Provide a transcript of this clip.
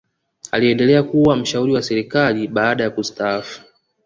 aliendelea kuwa mshauli wa serikali baada ya kustaafu